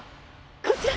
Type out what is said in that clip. こちら！